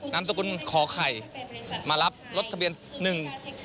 นามสกุลขอไข่มารับรถทะเบียนหนึ่ง